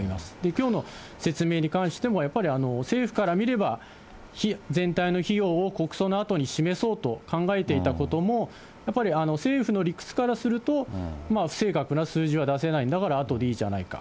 きょうの説明に関しても、やっぱり政府から見れば、全体の費用を国葬のあとに示そうと考えていたことも、やっぱり政府の理屈からするとまあ、不正確な数字は出せない、だから後でいいじゃないか。